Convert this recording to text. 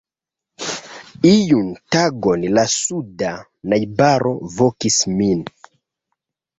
Iun tagon la suda najbaro vokis min.